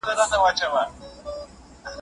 که سوله راسي نو ژوند به ښکلی سي.